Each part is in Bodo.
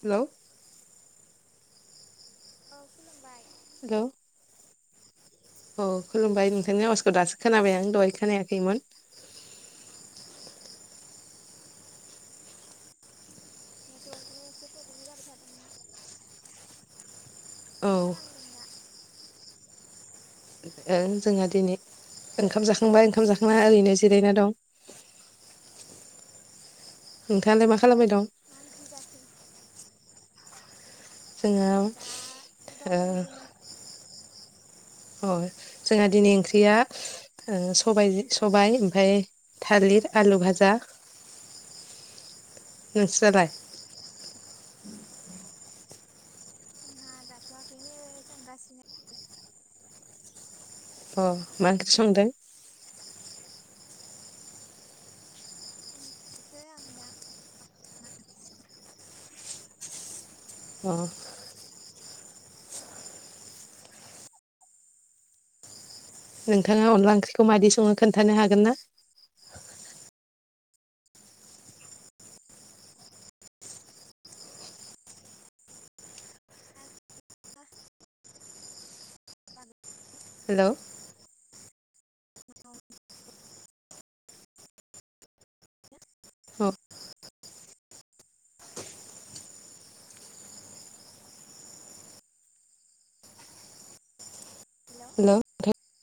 हेलौ औ खुलुमबाय हेलौ औ खुलुमबाय नोंथांनि आवाजखौ दासो खोनाबाय आं दहाय खोनायाखैमोन। नेटवारकनि एसे प्रब्लेम जाबाय थादोंना औ मा ओं खालामदों दा ओं जोंहा दिनै ओंखाम जाखांबाय ओंखाम जाखांना ओरैनो जिरायना दं। नोंथाङालाय मा खालामबाय दं। मा ओंख्रि जाखो। जोंहा आं दा दं ओ बिदिनो अ जोंहा दिनै ओंख्रिया ओ स-सबाय ओमफ्राय थालिर आलु भाजा नोंस्रालाय जोंहा जाथ'वाखैनो संगासिनो अ मा ओंख्रि संदों ओंख्रिखौ आं दा अ नोंथाङा अनला ओंख्रिखौ मादि सङो खोन्थानो हागोन ना। हेलौ औ हेलौ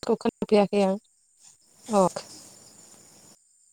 थ खोनाफैयाखै आं अ।